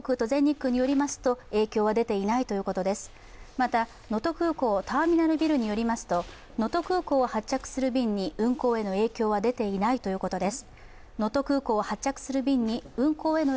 また、能登空港ターミナルビルによりますと、能登空港を発着する便に運航への影響は出ていないということです。